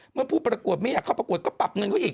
เมื่อผู้ประกวดไม่อยากเข้าประกวดก็ปรับเงินเขาอีก